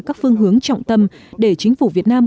các phương hướng trọng tâm để chính phủ việt nam